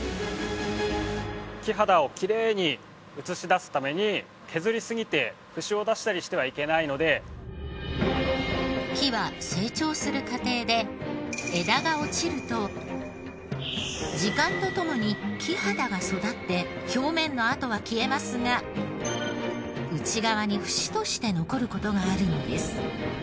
木肌をきれいに映し出すために木は成長する過程で枝が落ちると時間とともに木肌が育って表面の痕は消えますが内側に節として残る事があるのです。